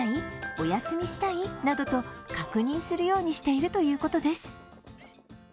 お休みしたい？などと確認するようにしているということです。